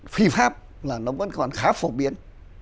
phi pháp là nó vẫn còn khá phổ biến